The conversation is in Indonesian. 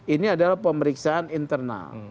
ini adalah pemeriksaan internal